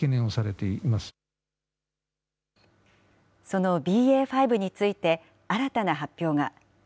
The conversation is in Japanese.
そのＢＡ．５について、新たな発表が。